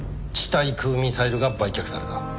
対空ミサイルが売却された。